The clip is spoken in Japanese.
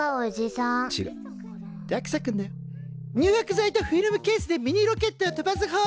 入浴剤とフィルムケースでミニロケットを飛ばす方法だよね。